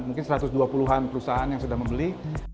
mungkin satu ratus dua puluh an perusahaan yang sudah membeli